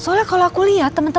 saat makin terbentur